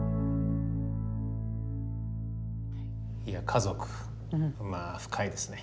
家族まあ深いですね。